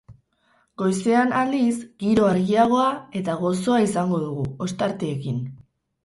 Goizean, aldiz, giro argiagoa eta gozoa izango dugu, ostarteekin.